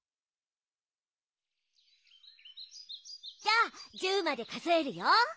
じゃあ１０までかぞえるよ。